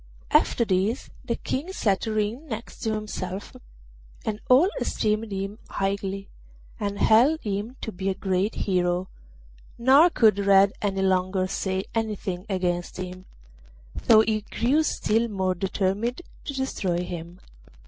After this the King set Ring next to himself, and all esteemed him highly, and held him to be a great hero; nor could Red any longer say anything against him, though he grew still more determined to destroy him.